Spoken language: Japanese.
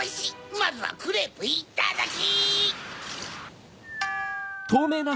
まずはクレープいただき！